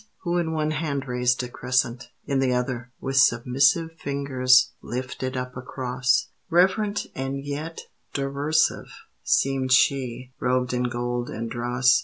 Who in one hand raised a Crescent, In the other, with submissive Fingers, lifted up a Cross; Reverent and yet derisive Seemed she, robed in gold and dross.